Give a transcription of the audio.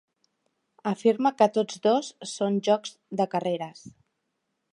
Afirma que tots dos són jocs de carreres.